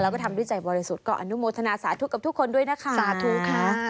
แล้วก็ทำด้วยใจบริสุทธิ์ก็อนุโมทนาสาธุกับทุกคนด้วยนะคะสาธุค่ะ